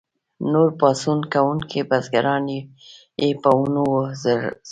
نور پاڅون کوونکي بزګران یې په ونو وځړول.